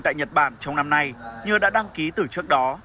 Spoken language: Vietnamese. tại nhật bản trong năm nay như đã đăng ký từ trước đó